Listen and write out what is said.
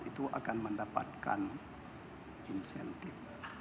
itu akan mendapatkan insentif